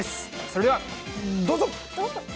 それではどうぞ。